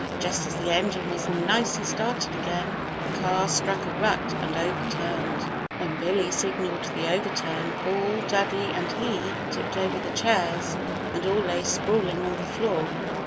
Just as the engine was nicely started again, the car struck a rut and overturned. When Billy signalled the overturn, Paul, Dudley and he, tipped over the chairs and all lay sprawling on the floor.